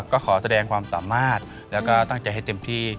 ก็ขอแสดงความสามารถแล้วก็ตั้งใจให้เต็มที่